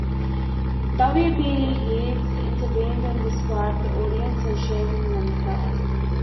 W. B. Yeats intervened and described the audience as "shaming themselves".